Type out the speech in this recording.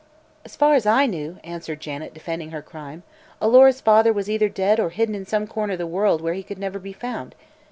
"So far as I knew," answered Janet, defending her crime, "Alora's father was either dead or hidden in some corner of the world where he could never be found.